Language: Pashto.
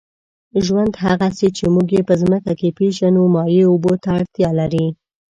ژوند، هغسې چې موږ یې په مځکه کې پېژنو، مایع اوبو ته اړتیا لري.